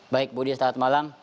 baik budi selamat malam